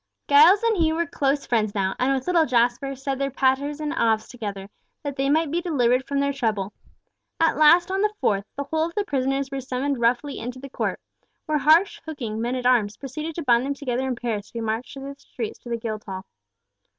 Giles and he were chose friends now, and with little Jasper, said their Paters and Aves together, that they might be delivered from their trouble. At last, on the 4th, the whole of the prisoners were summoned roughly into the court, where harsh hooking men at arms proceeded to bind them together in pairs to be marched through the streets to the Guildhall.